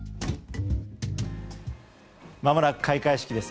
まもなく開会式です。